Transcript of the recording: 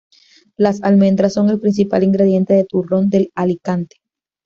Las almendras son el principal ingrediente del turrón de Alicante.